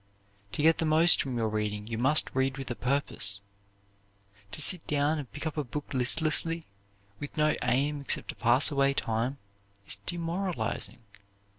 To get the most from your reading you must read with a purpose. To sit down and pick up a book listlessly, with no aim except to pass away time, is demoralizing.